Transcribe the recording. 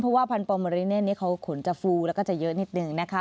เพราะว่าพันธอเมริเนนี้เขาขนจะฟูแล้วก็จะเยอะนิดนึงนะคะ